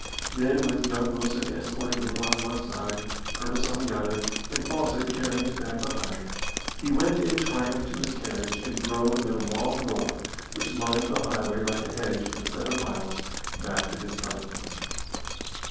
Then, with young Wilson escorting him on one side, Purvis on the other, and Fawcett carrying his bag behind, he went in triumph to his carriage, and drove amid a long roar, which lined the highway like a hedge for the seven miles, back to his starting point.